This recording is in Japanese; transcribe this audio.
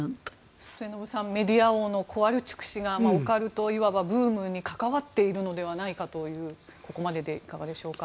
末延さんメディア王のコワルチュク氏がオカルトブームに関わっているのではないかというここまでで、いかがでしょうか。